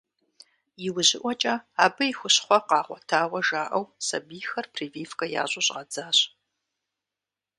Иужьыӏуэкӏэ абы и хущхуэхъуэ къагъуэтауэ жаӏэу сабийхэр прививкэ ящӏу щӏадзащ.